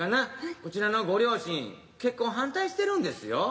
そちらのご両親結婚反対してるんですよ。